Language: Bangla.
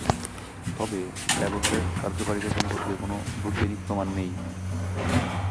তবে, ব্যবহারের কার্যকারিতা সম্পর্কে কোনো বৈজ্ঞানিক প্রমাণ নেই।